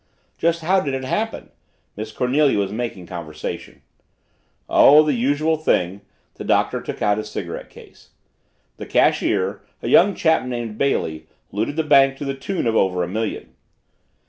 "Just how did it happen?" Miss Cornelia was making conversation. "Oh, the usual thing." The Doctor took out his cigarette case. "The cashier, a young chap named Bailey, looted the bank to the tune of over a million."